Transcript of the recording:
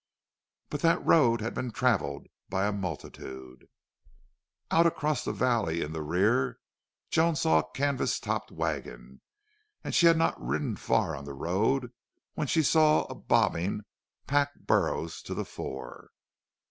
But that road had been traveled by a multitude. Out across the valley in the rear Joan saw a canvas topped wagon, and she had not ridden far on the road when she saw a bobbing pack burros to the fore.